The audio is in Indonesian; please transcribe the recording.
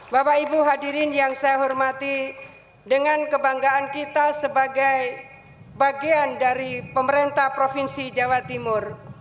bapak ibu hadirin yang saya hormati dengan kebanggaan kita sebagai bagian dari pemerintah provinsi jawa timur